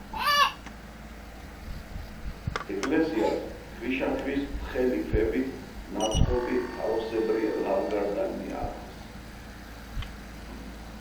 ეკლესიას ქვიშაქვის თხელი ქვებით ნაწყობი თაროსებრი ლავგარდანი აქვს.